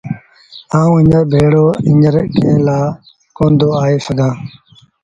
آئوٚنٚ تو ڀيڙو هڃر ڪݩهݩ لآ ڪوندو آئي سگھآݩٚ؟